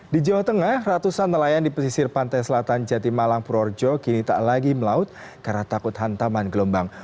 di jawa tengah ratusan nelayan di pesisir pantai selatan jati malang purworejo kini tak lagi melaut karena takut hantaman gelombang